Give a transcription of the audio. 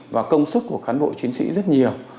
và công sức của cán bộ chiến sĩ rất nhiều